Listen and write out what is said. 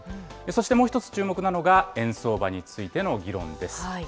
そしてもう一つ注目なのが、円相場についての議論です。